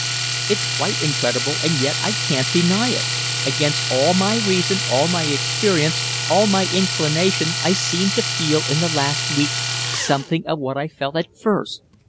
"It's quite incredible, and yet I can't deny it. Against all my reason, all my experience, all my inclination I seem to feel in the last week something of what I felt at first."